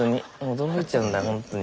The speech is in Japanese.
驚いちゃうんだほんとに。